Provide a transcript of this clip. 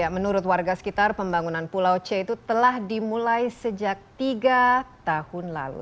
menurut warga sekitar pembangunan pulau c itu telah dimulai sejak tiga tahun lalu